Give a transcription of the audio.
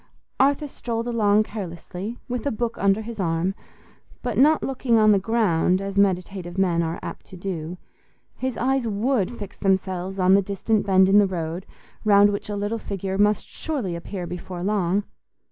Arthur strolled along carelessly, with a book under his arm, but not looking on the ground as meditative men are apt to do; his eyes would fix themselves on the distant bend in the road round which a little figure must surely appear before long.